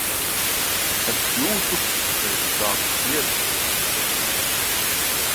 Es jūtu, ka es sāku pierast pie šī procesa.